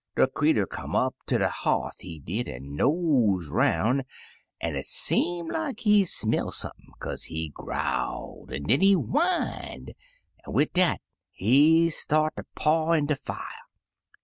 De creetur come up ter de h'ath, he did, an' nosed 'roun', an' it seem like he smell sump'n, kaze he growled, an' den he whined, an' wid dat, he start ter paw in de fier.